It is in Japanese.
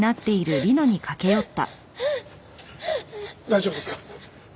大丈夫ですか！？